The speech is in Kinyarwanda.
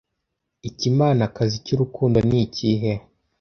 Ikimanakazi cyurukundo ni ikihe?